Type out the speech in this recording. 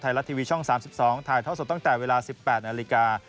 รัฐทีวีช่อง๓๒ถ่ายท่อสดตั้งแต่เวลา๑๘นาฬิกา